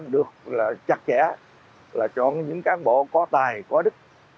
được là chặt chẽ là chọn những cán bộ có tài có đức